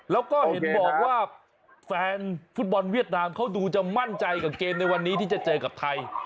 แล้วก็เห็นบอกว่าแฟนฟุตบอลเวียดนามเขาดูจะมั่นใจกับเกมในวันนี้ที่จะเจอกับไทย